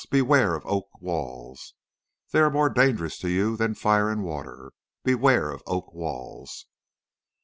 Beware of oak walls! They are more dangerous to you than fire and water! Beware of oak walls!'